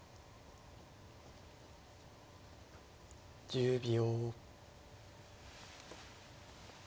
１０秒。